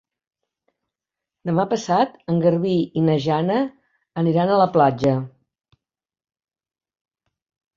Demà passat en Garbí i na Jana aniran a la platja.